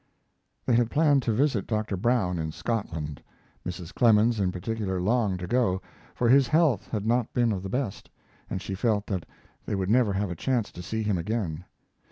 They had planned to visit Dr. Brown in Scotland. Mrs. Clemens, in particular, longed to go, for his health had not been of the best, and she felt that they would never have a chance to see him again.